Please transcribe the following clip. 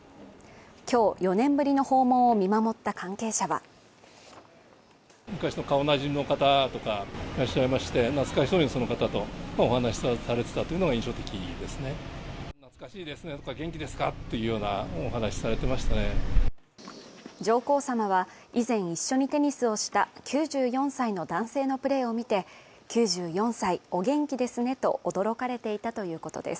今日、４年ぶりの訪問を見守った関係者は上皇さまは以前、一緒にテニスをした９４歳の男性のプレーを見て９４歳、お元気ですねと驚かれていたということです。